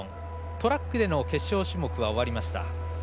トラックでの決勝種目は終わりました。